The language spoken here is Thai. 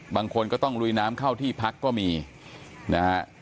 บางคนก็ต้องลุยน้ำเข้าที่พักก็มีนะฮะ